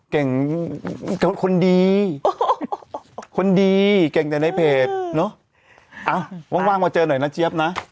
เก่งคนดีคนดีเก่งแต่ในเพจเนอะเอาว่างว่างมาเจอหน่อยน่ะเจ๊ยบน่ะ